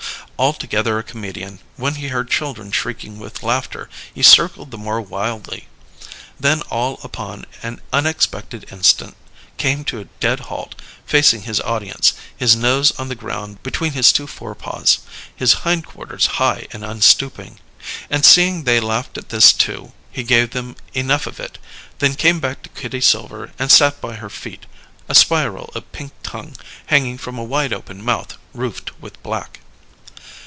Altogether a comedian, when he heard children shrieking with laughter, he circled the more wildly; then all upon an unexpected instant came to a dead halt, facing his audience, his nose on the ground between his two forepaws, his hindquarters high and unstooping. And, seeing they laughed at this, too, he gave them enough of it, then came back to Kitty Silver and sat by her feet, a spiral of pink tongue hanging from a wide open mouth roofed with black.